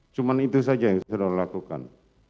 cuma itu saja yang saudara lakukan